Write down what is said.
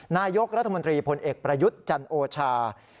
นายกรัฐมนตรีพลเอกประยุทธ์จันโอชา